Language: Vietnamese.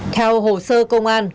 theo hồ sơ công an